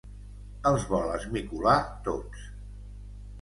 Els vol esmicolar tots.